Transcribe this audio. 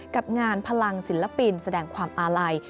กับงานพลังศิลปินแสดงความอาลัย